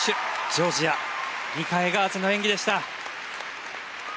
ジョージアニカ・エガーゼの演技でした。